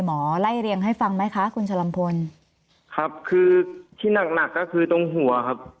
ไล่เรียงให้ฟังไหมคะคุณชะลัมพลครับคือที่หนักหนักก็คือตรงหัวครับ